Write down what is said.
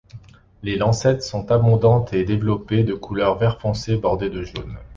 Les lancettes sont abondantes et développées, de couleur vert foncé bordé de jaune.